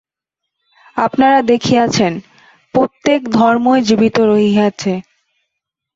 আপনারা দেখিয়াছেন, প্রত্যেক ধর্মই জীবিত রহিয়াছে।